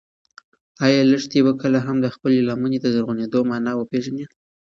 ایا لښتې به کله هم د خپلې لمنې د زرغونېدو مانا وپېژني؟